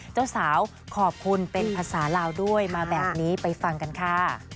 เจ้าสาวขอบคุณเป็นภาษาลาวด้วยมาแบบนี้ไปฟังกันค่ะ